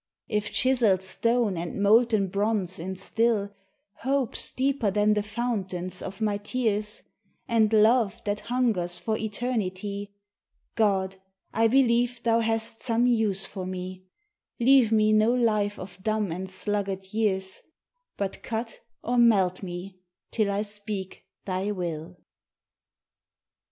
If chiselled stone and molten bronze instil Hopes deeper than the fountains of my tears, And love that hungers for eternity, God, I believe Thou hast some use for me; Leave me no life of dumb and sluggard years, But cut or melt me till I speak Thy will.